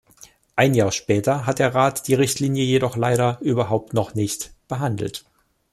Ein Jahr später hat der Rat die Richtlinie jedoch leider überhaupt noch nicht behandelt.